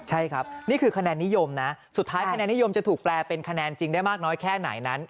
ใช่ครับนี่คือคะแนนนิยมนะสุดท้ายคะแนนนิยมจะถูกแปลเป็นคะแนนจริงได้มากน้อยแค่ไหนนั้น